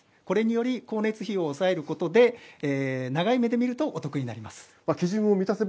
これにより、光熱費を抑えることで長い目で見るとお得になります。